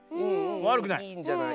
わるくない。